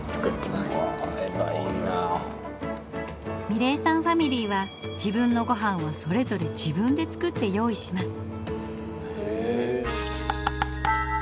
美礼さんファミリーは自分のごはんはそれぞれ自分で作って用意します。